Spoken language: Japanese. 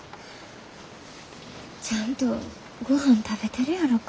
ちゃんとごはん食べてるやろか。